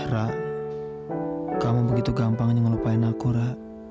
ra kamu begitu gampangnya ngelupain aku ra